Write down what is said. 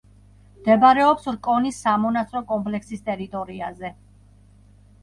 მდებარეობს რკონის სამონასტრო კომპლექსის ტერიტორიაზე.